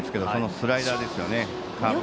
スライダーですよね。